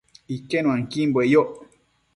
Iquenuanquimbue yoc